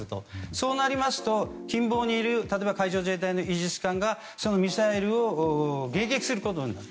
そうなりますと、近傍にいる海上自衛隊のイージス艦がそのミサイルを迎撃することになる。